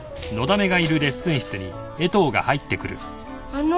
あの。